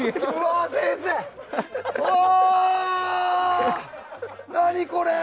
うわあ、何これ！